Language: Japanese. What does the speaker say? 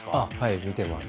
見てます。